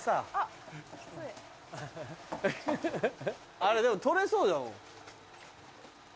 あれでも取れそうじゃん。